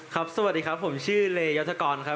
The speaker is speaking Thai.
สวัสดีครับผมชื่อเลยศกรครับ